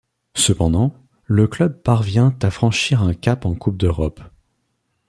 Cependant, le club parvient à franchir un cap en Coupe d'Europe.